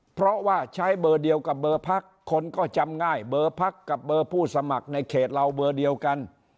เพราะว่าใช้เบอร์เดียวกับเบอร์พักคนก็จำง่ายเบอร์พักกับเบอร์ผู้สมัครในเขตเราเบอร์เดียวกัน